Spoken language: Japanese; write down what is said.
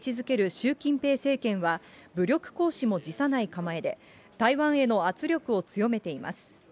習近平政権は武力行使も辞さない構えで、台湾への圧力を強めています。